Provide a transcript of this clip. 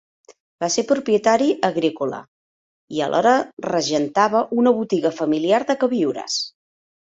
Va ser propietari agrícola i a l'hora regentava una botiga familiar de queviures.